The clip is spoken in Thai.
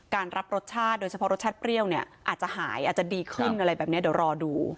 รับรสชาติโดยเฉพาะรสชาติเปรี้ยวเนี่ยอาจจะหายอาจจะดีขึ้นอะไรแบบนี้เดี๋ยวรอดู